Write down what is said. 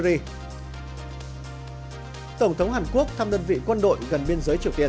tổng thống hàn quốc tổng thống hàn quốc tổng thống hàn quốc tổng thống hàn quốc tổng thống hàn quốc